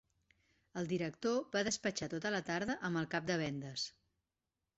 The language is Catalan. El director va despatxar tota la tarda amb el cap de vendes.